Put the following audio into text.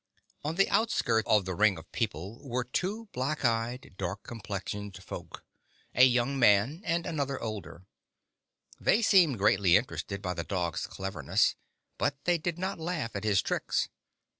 On the outskirts of the ring of people were two black eyed, dark complexioned folk — a young man and another older. They seemed greatly interested by the dog's cleverness, but they did not laugh at his tricks.